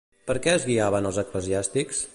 Per què es guiaven els eclesiàstics?